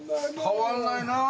変わんないな。